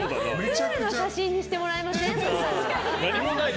プールの写真にしてもらえません？